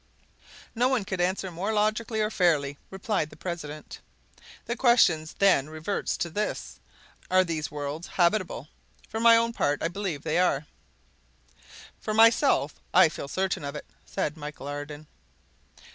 "No one could answer more logically or fairly," replied the president. "The question then reverts to this: Are these worlds habitable? For my own part I believe they are." "For myself, I feel certain of it," said Michel Ardan.